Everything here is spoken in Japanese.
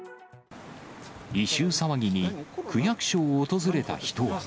異臭騒ぎに、区役所を訪れた人は。